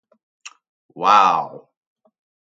Wow.